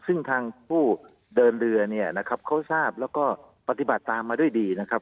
ซึ่งทางผู้เดินเรือเนี่ยนะครับเขาทราบแล้วก็ปฏิบัติตามมาด้วยดีนะครับ